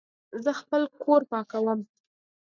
زه خپل کور پاکوم